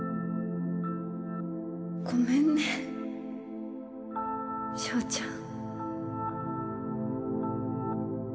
ごめんね祥ちゃん。